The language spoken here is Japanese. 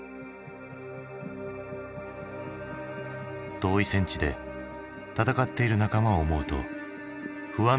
遠い戦地で戦っている仲間を思うと不安といえば不安。